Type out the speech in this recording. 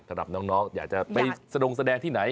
สำหรับน้องอยากจะไปสะดงแสดงที่ไหน